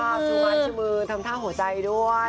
ชูไม้ชูมือทำท่าหัวใจด้วย